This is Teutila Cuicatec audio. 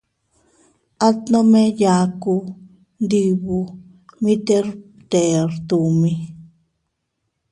At nome yaku, ndibuu, mite btere tummi.